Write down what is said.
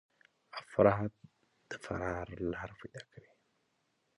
افراد فرار لاره پيدا کړي.